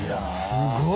すごい。